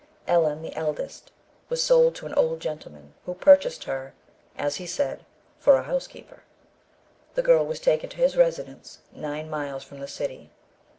Ellen, the eldest, was sold to an old gentleman, who purchased her, as he said, for a housekeeper. The girl was taken to his residence, nine miles from the city.